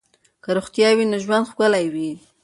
که روغتیا وي نو ژوند ښکلی وي.